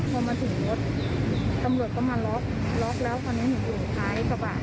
พอมาถึงรถตำรวจก็มาโล๊กแล้วตอนนี้เห็นเหงียวจกลายกระบาด